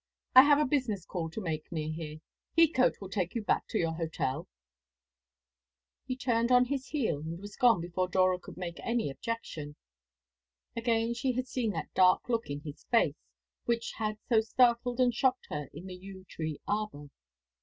"I have a business call to make near here. Heathcote will take you back to your hotel." He turned on his heel, and was gone before Dora could make any objection. Again she had seen that dark look in his face which had so startled and shocked her in the yew tree arbour.